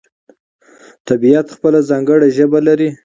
طبیعت خپله ځانګړې ژبه لري.